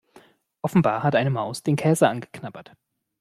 Offenbar hat eine Maus den Käse angeknabbert.